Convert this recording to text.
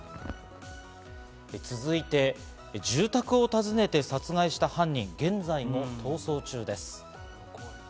続いて、住宅を訪ねて殺害した犯人、現在も逃走中です。